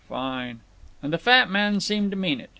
"Fine!" And the fat man seemed to mean it.